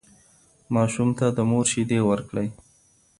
ماشوم ته د مور شیدې ورکړئ.